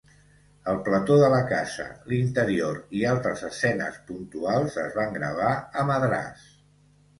El plató de la casa, l'interior i altres escenes puntuals es van gravar a Madràs.